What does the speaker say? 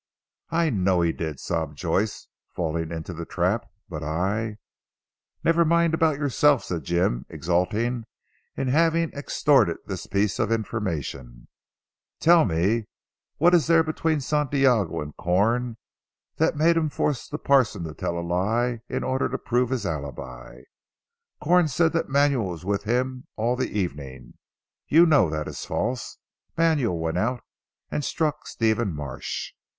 "I know he did," sobbed Joyce falling into the trap, "but I " "Never mind about yourself," said Jim exulting in having extorted this piece of information, "tell me what there is between Santiago and Corn that made him force the parson to tell a lie in order to prove his alibi. Corn said that Manuel was with him all the evening. You know that is false. Manuel went out and struck Stephen Marsh."